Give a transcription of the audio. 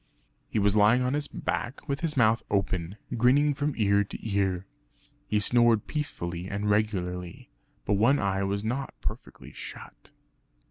He was lying on his back with his mouth open, grinning from ear to ear. He snored peacefully and regularly; but one eye was not perfectly shut.